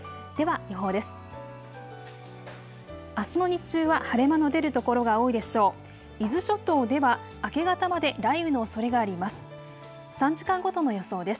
では予報です。